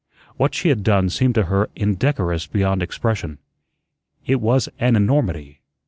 What she had done seemed to her indecorous beyond expression. It was an enormity.